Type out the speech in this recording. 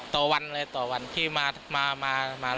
ต่อวันเลยต่อวันที่มา